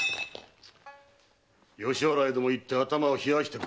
吉原へでも行って頭を冷やしてこい。